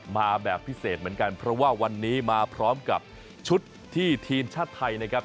มาแบบพิเศษเหมือนกันเพราะว่าวันนี้มาพร้อมกับชุดที่ทีมชาติไทยนะครับ